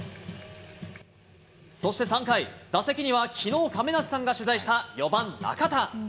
そして３回、打席には、きのう、亀梨さんが取材した４番中田。